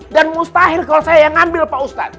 dan mustahil kalau saya yang ambil pak ustadz